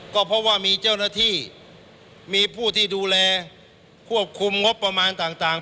ก็เพราะว่ามีเจ้าหน้าที่มีผู้ที่ดูแลควบคุมงบประมาณต่าง